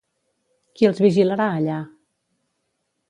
Qui els vigilarà allà?